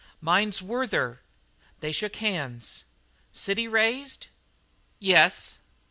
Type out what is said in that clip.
"Mine's Werther." They shook hands. "City raised?" "Yes."